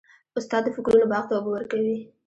استاد د فکرونو باغ ته اوبه ورکوي.